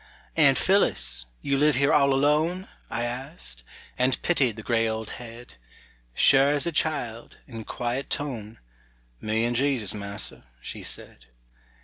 "Aunt Phillis, you live here all alone?" I asked, and pitied the gray old head; Sure as a child, in quiet tone, "Me and Jesus, Massa," she said.